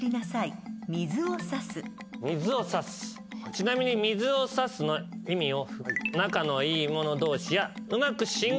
ちなみに「水を差す」の意味を。